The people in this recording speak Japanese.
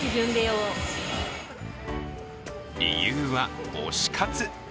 理由は推し活。